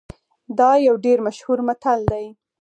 دا یو ډیر مشهور متل دی